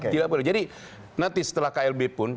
tidak boleh jadi nanti setelah klb pun